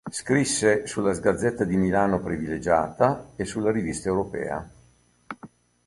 Scrisse sulla "Gazzetta di Milano Privilegiata" e sulla "Rivista Europea".